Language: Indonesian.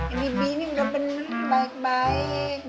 ini bini udah bener baik baik